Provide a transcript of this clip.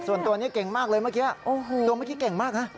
ส่วนตัวนี้เก่งมากเลยเมื่อกี้ตัวเมื่อกี้เก่งมากนะ